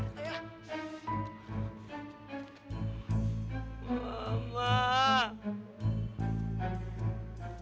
kamu gak kena apa apa